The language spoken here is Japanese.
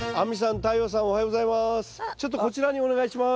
太陽さんおはようございます。